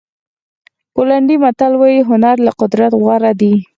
پولنډي متل وایي هنر له قدرت غوره دی.